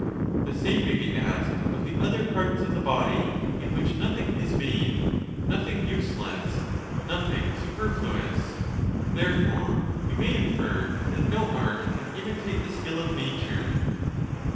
The same may be asked of the other parts of the body, in which nothing is vain, nothing useless, nothing superflu N/ ous ; therefore we may infer that no art can imitate the skill 1^ of natuf e.